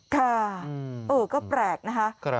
ค่ะเกือบแปลกนะคะ